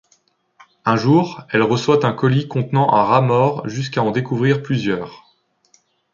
Un jour, elle reçoit un colis contenant un rat mort jusqu'à en découvrir plusieurs.